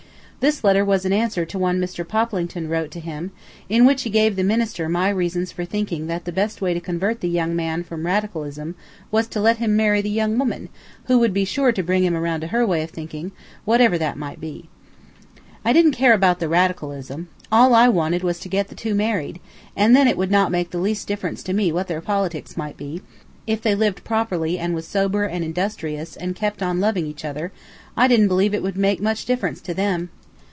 This letter was in answer to one Mr. Poplington wrote to him, in which he gave the minister my reasons for thinking that the best way to convert the young man from Radicalism was to let him marry the young woman, who would be sure to bring him around to her way of thinking, whatever that might be. I didn't care about the Radicalism. All I wanted was to get the two married, and then it would not make the least difference to me what their politics might be; if they lived properly and was sober and industrious and kept on loving each other, I didn't believe it would make much difference to them.